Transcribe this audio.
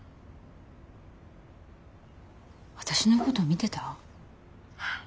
私のこと見てた？